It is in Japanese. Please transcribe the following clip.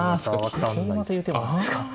桂馬という手もあるんですか。